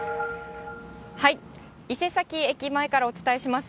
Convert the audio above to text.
伊勢崎駅前からお伝えします。